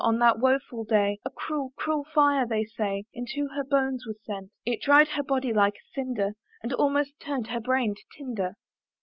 on that woful day A cruel, cruel fire, they say, Into her bones was sent: It dried her body like a cinder, And almost turn'd her brain to tinder.